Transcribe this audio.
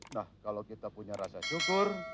nah kalau kita punya rasa syukur